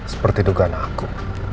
seperti dugaan aku